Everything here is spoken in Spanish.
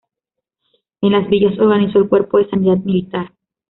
En Las Villas organizó el cuerpo de sanidad militar.